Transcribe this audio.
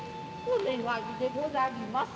お願いでござります。